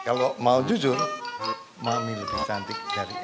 kalo mau jujur mami lebih cantik dari eli